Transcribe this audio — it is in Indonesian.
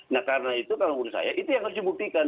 nah karena itu kalau menurut saya itu yang harus dibuktikan